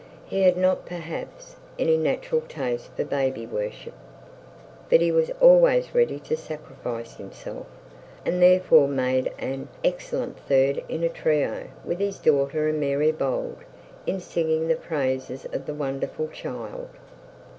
He had not, perhaps, any natural taste for baby worship, but he was always ready to sacrifice himself, and therefore made an excellent third in a trio with his daughter and Mary Bold in singing the praises of the wonderful child.